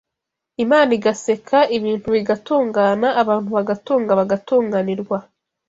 Imana igaseka ibintu bigatungana, abantu bagatunga, bagatunganirwa